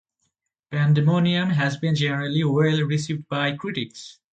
"Pandemonium" has been generally well received by critics.